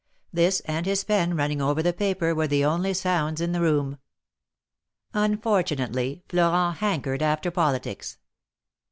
This and his pen running over the paper were the only sounds in the room. Unfortunately, Florent hankered after politics.